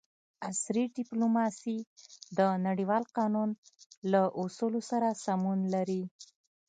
عصري ډیپلوماسي د نړیوال قانون له اصولو سره سمون لري